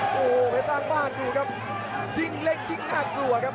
โอ้โหเพชรสร้างบ้านดูครับยิ่งเล็กยิ่งน่ากลัวครับ